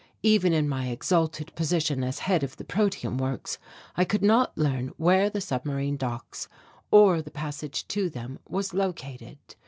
Even in my exalted position as head of the protium works I could not learn where the submarine docks or the passage to them was located.